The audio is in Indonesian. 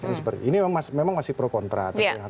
ini memang masih pro kontra